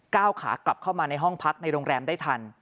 ขากลับเข้ามาในห้องพักในโรงแรมได้ทัน